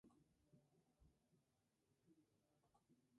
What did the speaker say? Fue además arquitecto interino de Hacienda.